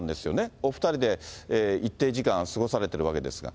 お２人で一定時間過ごされてるわけですから。